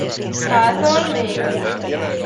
Fázol még?